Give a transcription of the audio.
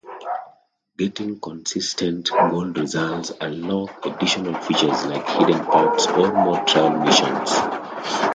Getting consistent gold results unlock additional features like hidden parts or more trial missions.